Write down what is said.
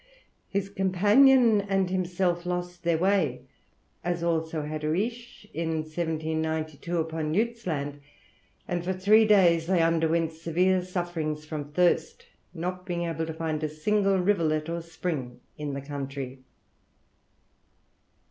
His companion and himself lost their way, as also did Riche in 1792 upon Nuyt's Land, where for three days they underwent severe sufferings from thirst, not being able to find a single rivulet or spring in the country.